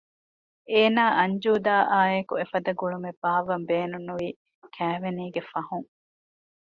އޭނާ އަންޖޫދާއާއެކު އެފަދަ ގުޅުމެއް ބާއްވަން ބޭނުންވީ ކައިވެނީގެ ފަހުން